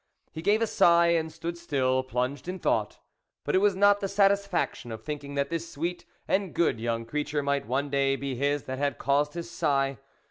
He gave a sigh, and stood still, plunged in thought ; but it was not the satisfaction of thinking that this sweet and good young creature might one day be his that had caused his sigh.